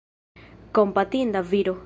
Kompatinda viro.